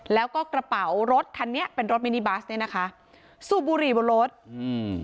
แล้วก็กระเป๋ารถคันนี้เป็นรถมินิบัสเนี้ยนะคะสูบบุหรี่บนรถอืม